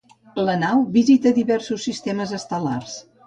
La nau visita diversos sistemes estel·lars.